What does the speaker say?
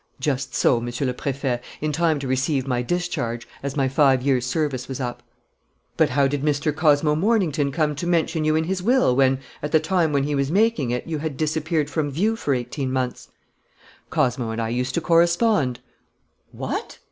"Just so, Monsieur le Préfet, in time to receive my discharge, as my five years' service was up." "But how did Mr. Cosmo Mornington come to mention you in his will, when, at the time when he was making it, you had disappeared from view for eighteen months?" "Cosmo and I used to correspond." "What!"